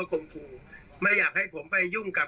คุณผู้ชมครับคุณผู้ชมครับ